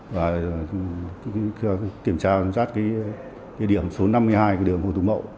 và kiểm tra giám sát địa điểm số năm mươi hai của đường hồ tùng mậu